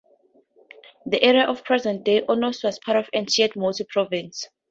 The area of present-day Ono was part of ancient Mutsu Province.